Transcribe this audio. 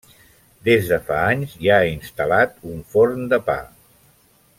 Des de fa anys hi ha instal·lat un forn de pa.